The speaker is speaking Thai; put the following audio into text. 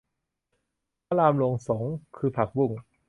พระรามลงสรง คือผักบุ้ง